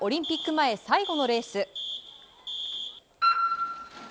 前最後のレース。